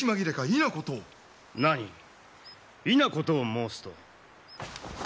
異なことを申すと？